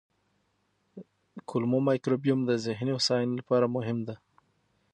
کولمو مایکروبیوم د ذهني هوساینې لپاره مهم دی.